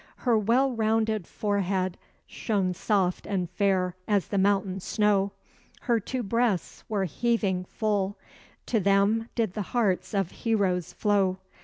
Her well rounded forehead shone Soft and fair as the mountain snow; Her two breasts were heaving full; To them did the hearts of heroes flow.